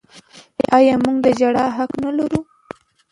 آیا موږ د ژړا حق نلرو؟